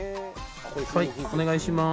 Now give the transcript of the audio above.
はい、お願いします。